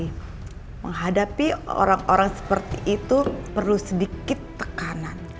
tapi menghadapi orang orang seperti itu perlu sedikit tekanan